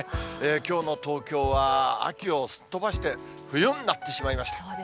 きょうの東京は、秋をすっ飛ばして、冬になってしまいました。